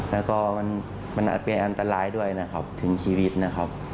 แล้วก็มันอาจเป็นอันตรายด้วยนะครับถึงชีวิตนะครับ